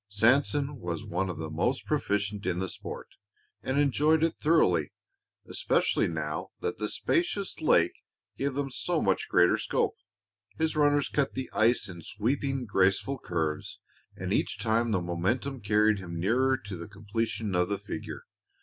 Sanson was one of the most proficient in the sport and enjoyed it thoroughly, especially now that the spacious lake gave them so much greater scope. His runners cut the ice in sweeping, graceful curves, and each time the momentum carried him nearer to the completion of the figure.